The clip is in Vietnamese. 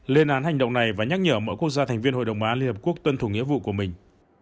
lên án hành động này và nhắc nhở mọi quốc gia thành viên hội đồng bảo an liên hợp quốc tuân thủ nghĩa vụ của mình